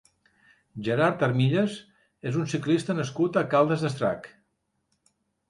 Gerard Armillas és un ciclista nascut a Caldes d'Estrac.